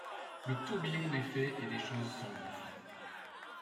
Le tourbillon des faits et des choses s’engouffre